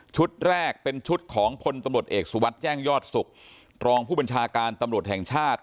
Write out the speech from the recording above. แรกเป็นชุดของพลตำรวจเอกสุวัสดิ์แจ้งยอดสุขรองผู้บัญชาการตำรวจแห่งชาติ